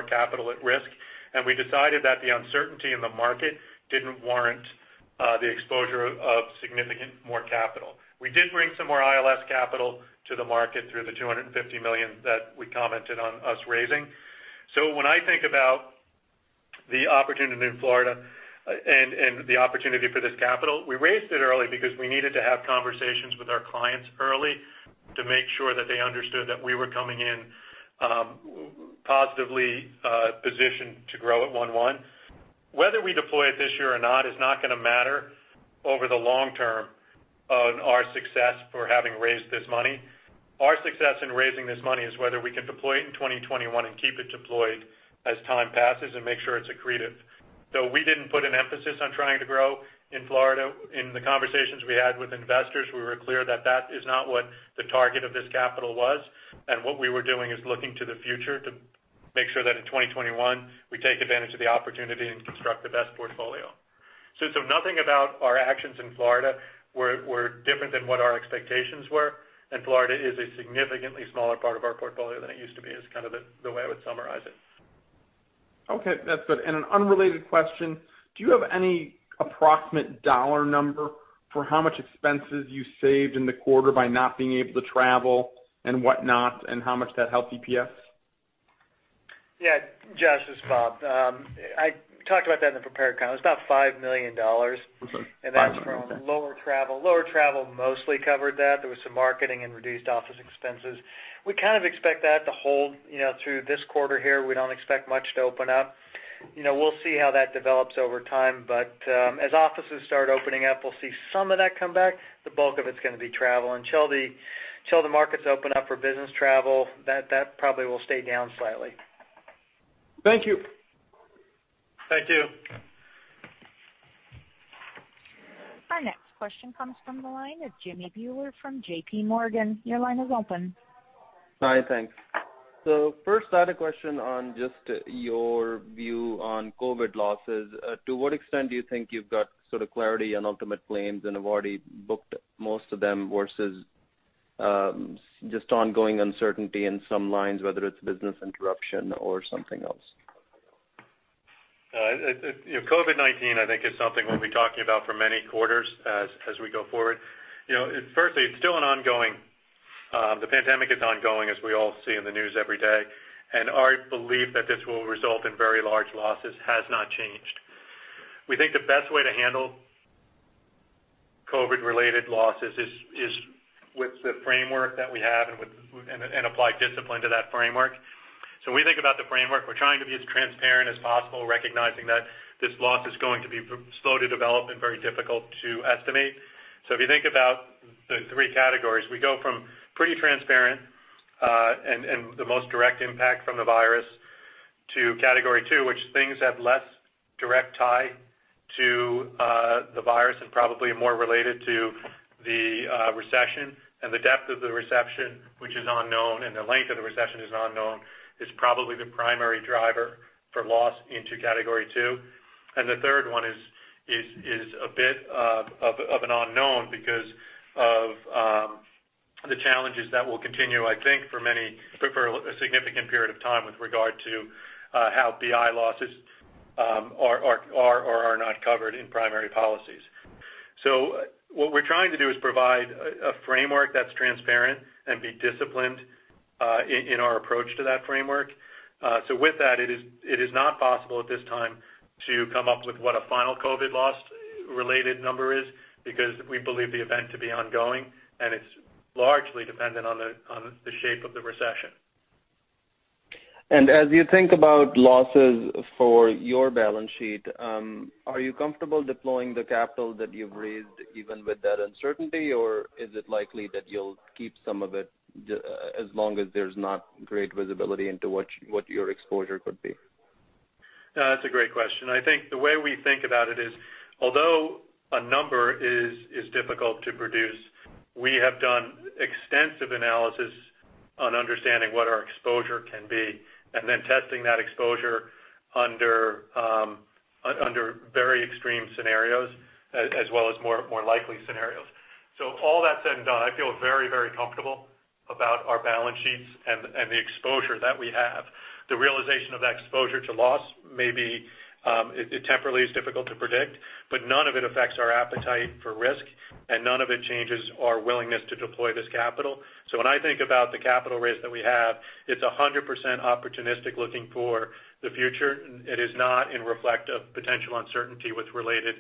capital at risk, and we decided that the uncertainty in the market didn't warrant the exposure of significant more capital. We did bring some more ILS capital to the market through the $250 million that we commented on us raising. When I think about the opportunity in Florida and the opportunity for this capital, we raised it early because we needed to have conversations with our clients early to make sure that they understood that we were coming in positively positioned to grow at 1/1. Whether we deploy it this year or not is not going to matter over the long term on our success for having raised this money. Our success in raising this money is whether we can deploy it in 2021 and keep it deployed as time passes and make sure it's accretive. We didn't put an emphasis on trying to grow in Florida. In the conversations we had with investors, we were clear that that is not what the target of this capital was, and what we were doing is looking to the future to make sure that in 2021, we take advantage of the opportunity and construct the best portfolio. Nothing about our actions in Florida were different than what our expectations were, and Florida is a significantly smaller part of our portfolio than it used to be, is the way I would summarize it. Okay, that's good. An unrelated question, do you have any approximate dollar number for how much expenses you saved in the quarter by not being able to travel and whatnot, and how much that helped EPS? Yeah, Josh, it's Bob. I talked about that in the prepared comments. It's about $5 million. Okay. $5 million. Okay. That's from lower travel. Lower travel mostly covered that. There was some marketing and reduced office expenses. We kind of expect that to hold through this quarter here. We don't expect much to open up. We'll see how that develops over time, but as offices start opening up, we'll see some of that come back. The bulk of it's going to be travel. Until the markets open up for business travel, that probably will stay down slightly. Thank you. Thank you. Our next question comes from the line of Jimmy Bhullar from JPMorgan. Your line is open. Hi, thanks. First I had a question on just your view on COVID losses. To what extent do you think you've got sort of clarity on ultimate claims and have already booked most of them versus just ongoing uncertainty in some lines, whether it's business interruption or something else? COVID-19, I think, is something we'll be talking about for many quarters as we go forward. It's still the pandemic is ongoing, as we all see in the news every day, and our belief that this will result in very large losses has not changed. We think the best way to handle COVID-related losses is with the framework that we have and apply discipline to that framework. When we think about the framework, we're trying to be as transparent as possible, recognizing that this loss is going to be slow to develop and very difficult to estimate. If you think about the three categories, we go from pretty transparent, and the most direct impact from the virus to Category 2, which things have less direct tie to the virus and probably more related to the recession. The depth of the recession, which is unknown, and the length of the recession is unknown, is probably the primary driver for loss into Category 2. The third one is a bit of an unknown because of the challenges that will continue, I think, for a significant period of time with regard to how BI losses are or are not covered in primary policies. What we're trying to do is provide a framework that's transparent and be disciplined in our approach to that framework. With that, it is not possible at this time to come up with what a final COVID-19 loss-related number is because we believe the event to be ongoing, and it's largely dependent on the shape of the recession. As you think about losses for your balance sheet, are you comfortable deploying the capital that you've raised even with that uncertainty? Or is it likely that you'll keep some of it as long as there's not great visibility into what your exposure could be? That's a great question. I think the way we think about it is, although a number is difficult to produce, we have done extensive analysis on understanding what our exposure can be and then testing that exposure under very extreme scenarios as well as more likely scenarios. All that said and done, I feel very, very comfortable about our balance sheets and the exposure that we have. The realization of that exposure to loss may be temporally is difficult to predict, but none of it affects our appetite for risk, and none of it changes our willingness to deploy this capital. When I think about the capital raise that we have, it's 100% opportunistic looking for the future. It is not in reflect of potential uncertainty with related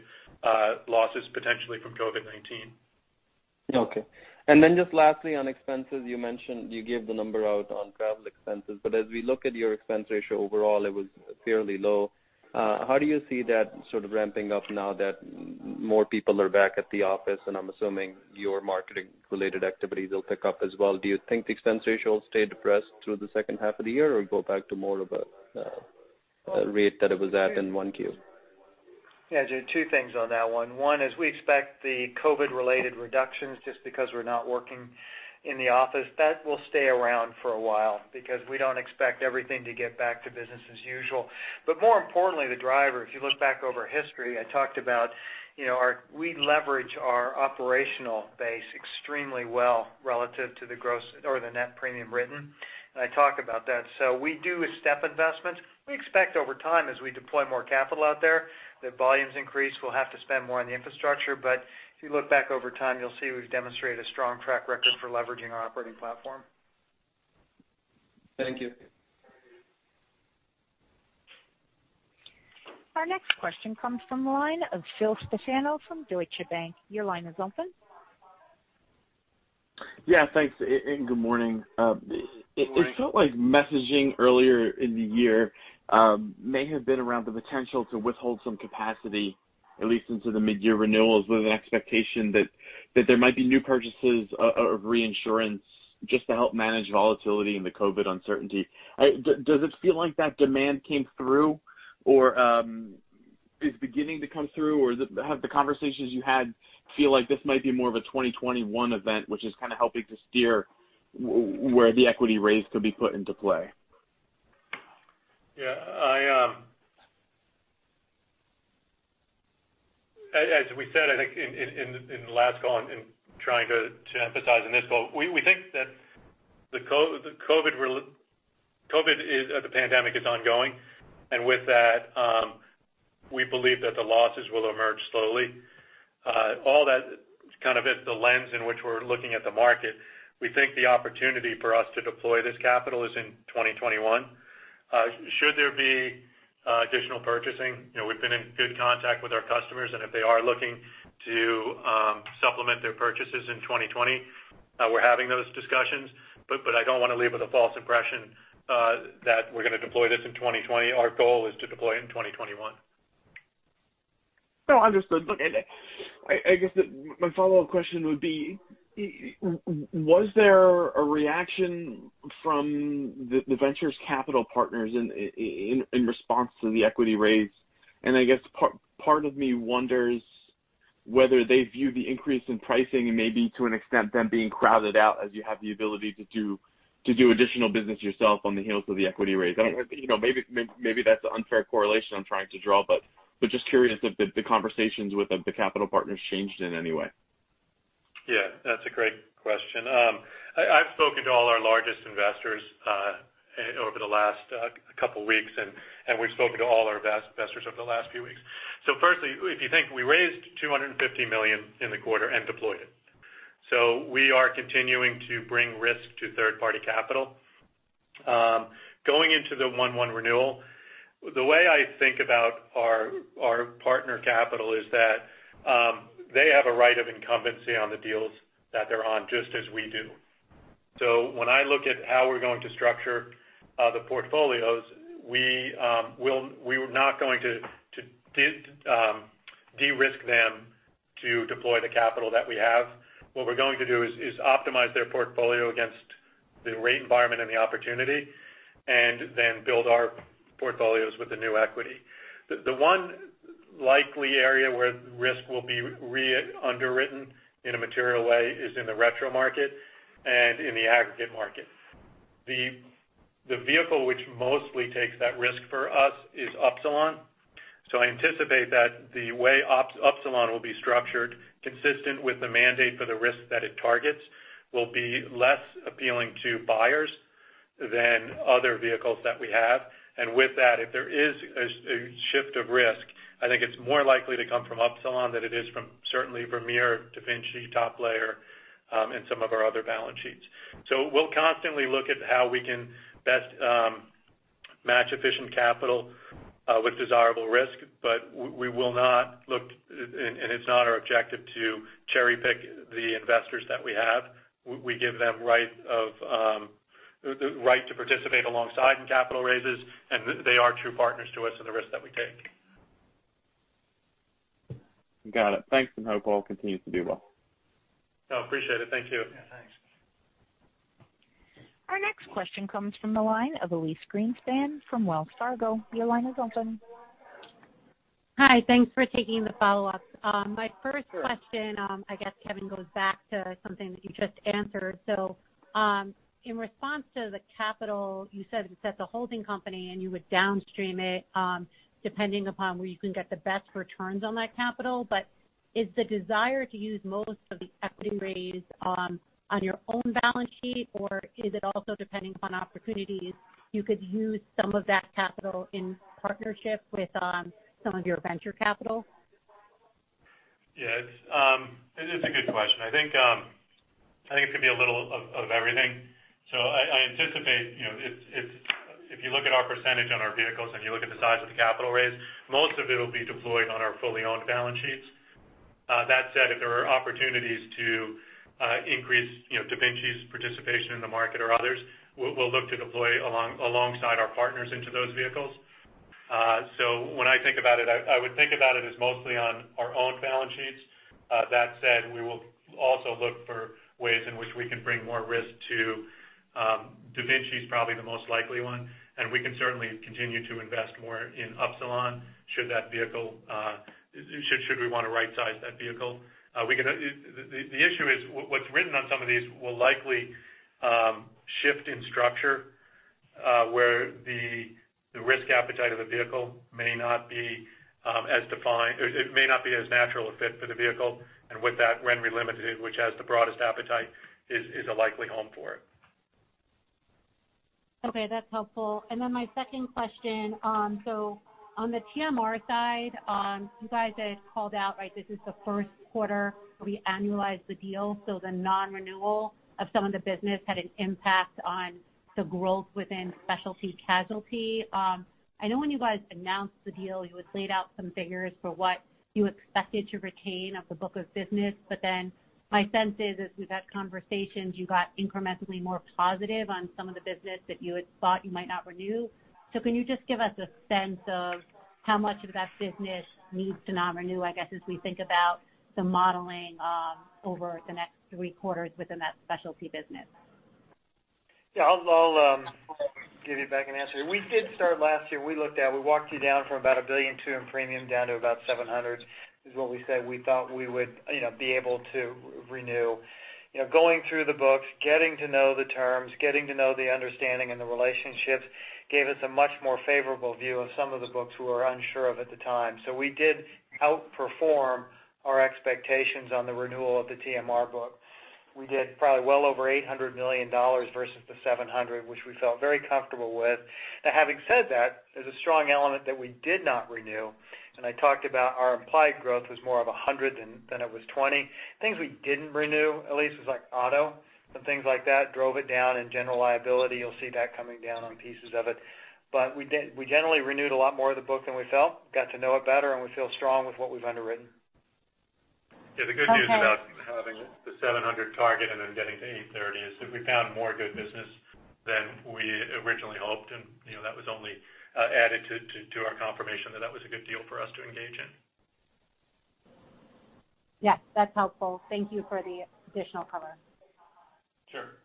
losses potentially from COVID-19. Okay. Just lastly on expenses, you mentioned you gave the number out on travel expenses, but as we look at your expense ratio overall, it was fairly low. How do you see that sort of ramping up now that more people are back at the office, and I'm assuming your marketing-related activities will pick up as well. Do you think the expense ratio will stay depressed through the second half of the year or go back to more of a rate that it was at in 1Q? Yeah, Jimmy, two things on that one. We expect the COVID-related reductions just because we're not working in the office, that will stay around for a while because we don't expect everything to get back to business as usual. More importantly, the driver, if you look back over history, I talked about how we leverage our operational base extremely well relative to the net premium written. I talk about that. We do step investments. We expect over time, as we deploy more capital out there, that volumes increase, we'll have to spend more on the infrastructure. If you look back over time, you'll see we've demonstrated a strong track record for leveraging our operating platform. Thank you. Our next question comes from the line of Phil Stefano from Deutsche Bank. Your line is open. Yeah. Thanks. Good morning. Good morning. It felt like messaging earlier in the year may have been around the potential to withhold some capacity, at least into the mid-year renewals, with an expectation that there might be new purchases of reinsurance just to help manage volatility and the COVID uncertainty. Does it feel like that demand came through, or is beginning to come through, or have the conversations you had feel like this might be more of a 2021 event, which is kind of helping to steer where the equity raise could be put into play? As we said, I think in the last call, trying to emphasize in this call, we think that the COVID pandemic is ongoing. With that, we believe that the losses will emerge slowly. All that is the lens in which we're looking at the market. We think the opportunity for us to deploy this capital is in 2021. Should there be additional purchasing, we've been in good contact with our customers, and if they are looking to supplement their purchases in 2020, we're having those discussions. I don't want to leave with a false impression that we're going to deploy this in 2020. Our goal is to deploy in 2021. No, understood. I guess that my follow-up question would be, was there a reaction from the Ventures Capital Partners in response to the equity raise? I guess part of me wonders whether they view the increase in pricing and maybe to an extent them being crowded out as you have the ability to do additional business yourself on the heels of the equity raise. Maybe that's an unfair correlation I'm trying to draw, but just curious if the conversations with the capital partners changed in any way. Yeah, that's a great question. I've spoken to all our largest investors over the last couple of weeks, and we've spoken to all our investors over the last few weeks. Firstly, if you think we raised $250 million in the quarter and deployed it. We are continuing to bring risk to third-party capital. Going into the 1/1 renewal, the way I think about our partner capital is that they have a right of incumbency on the deals that they're on, just as we do. When I look at how we're going to structure the portfolios, we're not going to de-risk them to deploy the capital that we have. What we're going to do is optimize their portfolio against the rate environment and the opportunity, and then build our portfolios with the new equity. The one likely area where risk will be underwritten in a material way is in the retro market and in the aggregate market. The vehicle which mostly takes that risk for us is Upsilon. I anticipate that the way Upsilon will be structured, consistent with the mandate for the risk that it targets, will be less appealing to buyers than other vehicles that we have. With that, if there is a shift of risk, I think it's more likely to come from Upsilon than it is from certainly Vermeer, DaVinci, Top Layer, and some of our other balance sheets. We'll constantly look at how we can best match efficient capital with desirable risk, but we will not look, and it's not our objective, to cherry-pick the investors that we have. We give them right to participate alongside in capital raises, and they are true partners to us in the risk that we take. Got it. Thanks, and hope all continues to do well. No, appreciate it. Thank you. Yeah, thanks. Our next question comes from the line of Elyse Greenspan from Wells Fargo. Your line is open. Hi. Thanks for taking the follow-up. My first question, I guess, Kevin, goes back to something that you just answered. In response to the capital, you said it's at the holding company and you would downstream it depending upon where you can get the best returns on that capital. Is the desire to use most of the equity raise on your own balance sheet, or is it also depending upon opportunities you could use some of that capital in partnership with some of your venture capital? Yeah. It's a good question. I think it could be a little of everything. I anticipate if you look at our percentage on our vehicles and you look at the size of the capital raise, most of it will be deployed on our fully owned balance sheets. That said, if there are opportunities to increase DaVinci's participation in the market or others, we'll look to deploy alongside our partners into those vehicles. When I think about it, I would think about it as mostly on our own balance sheets. That said, we will also look for ways in which we can bring more risk to, DaVinci is probably the most likely one, and we can certainly continue to invest more in Upsilon should we want to rightsize that vehicle. The issue is what's written on some of these will likely shift in structure, where the risk appetite of the vehicle may not be as natural a fit for the vehicle. With that, RenRe Limited, which has the broadest appetite, is a likely home for it. Okay, that's helpful. My second question. On the TMR side, you guys had called out, this is the first quarter we annualized the deal, so the non-renewal of some of the business had an impact on the growth within specialty casualty. I know when you guys announced the deal, you had laid out some figures for what you expected to retain of the book of business. My sense is, as we've had conversations, you got incrementally more positive on some of the business that you had thought you might not renew. Can you just give us a sense of how much of that business needs to not renew, I guess, as we think about the modeling over the next three quarters within that specialty business? Yeah, I'll give you back an answer. We did start last year. We walked you down from about $1.2 billion in premium down to about $700 million, is what we said we thought we would be able to renew. Going through the books, getting to know the terms, getting to know the understanding and the relationships gave us a much more favorable view of some of the books we were unsure of at the time. We did outperform our expectations on the renewal of the TMR book. We did probably well over $800 million versus the $700 million, which we felt very comfortable with. Now, having said that, there's a strong element that we did not renew, and I talked about our implied growth was more of $100 million than it was $20 million. Things we didn't renew at least was like auto and things like that drove it down. In general liability, you'll see that coming down on pieces of it. We generally renewed a lot more of the book than we felt, got to know it better, and we feel strong with what we've underwritten. Okay. Yeah, the good news about having the $700 million target and then getting to $830 million is that we found more good business than we originally hoped, and that was only added to our confirmation that that was a good deal for us to engage in. Yeah, that's helpful. Thank you for the additional color. Sure.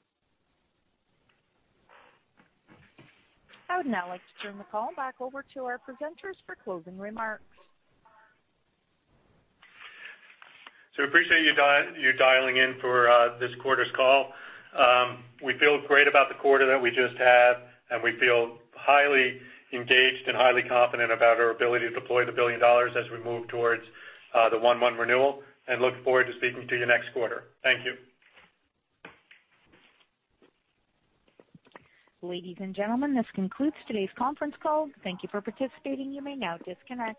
I would now like to turn the call back over to our presenters for closing remarks. Appreciate you dialing in for this quarter's call. We feel great about the quarter that we just had, and we feel highly engaged and highly confident about our ability to deploy the $1 billion as we move towards the 1/1 renewal and look forward to speaking to you next quarter. Thank you. Ladies and gentlemen, this concludes today's conference call. Thank you for participating. You may now disconnect.